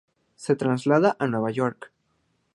Se traslada a Nueva York.